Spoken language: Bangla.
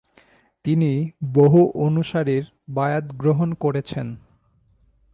তিনি বহু অনুসারীর বায়াত গ্রহণ করেছেন।